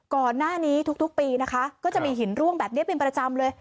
ก่อนหน้านี้ทุกปีนะคะก็จะมีหินร่วงแบบนี้เป็นประจำเลย